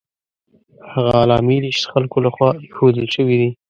هغه علامې دي چې د خلکو له خوا ایښودل شوي دي.